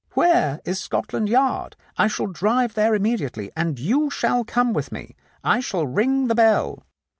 Where is Scotland Yard ? I shall drive there immediately, and you shall come with me. I shall ring the bell."